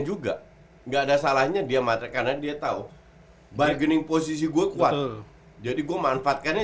juga enggak ada salahnya dia matrik karena dia tahu bargaining posisi gue kuat jadi gue manfaatkannya